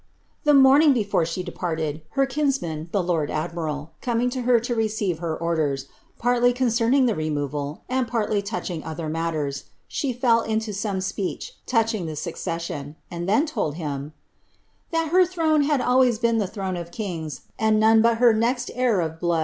The morning before she departed, her kinsman, the lord admiral, coming to her to receive her orders, partly concerning the removal and partly touching other matters, she fell into some speech touching the succession, and then told him, ^that her throne had always been the throne of kings, and none but her next heir of blood ' Nicliolf